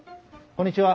こんにちは。